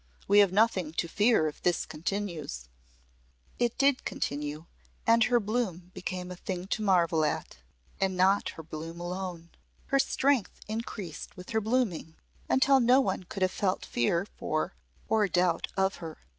We have nothing to fear if this continues." It did continue and her bloom became a thing to marvel at. And not her bloom alone. Her strength increased with her blooming until no one could have felt fear for or doubt of her.